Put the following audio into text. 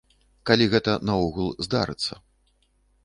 Калі гэта наогул здарыцца.